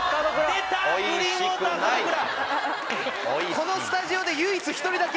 このスタジオで唯一１人だけ。